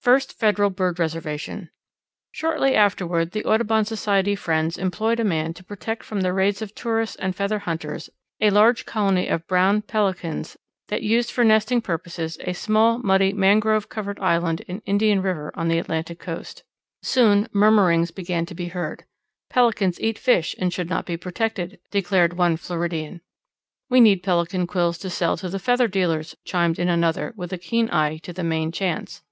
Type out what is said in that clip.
First Federal Bird Reservation Shortly afterward the Audubon Society friends employed a man to protect from the raids of tourists and feather hunters a large colony of Brown Pelicans that used for nesting purposes a small, muddy, mangrove covered island in Indian River on the Atlantic Coast. Soon murmurings began to be heard. "Pelicans eat fish and should not be protected," declared one Floridan. "We need Pelican quills to sell to the feather dealers," chimed in another with a keen eye to the main chance.